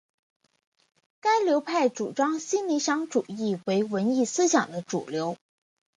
该流派主张新理想主义为文艺思想的主流。